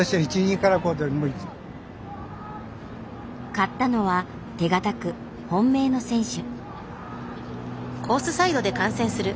買ったのは手堅く本命の選手。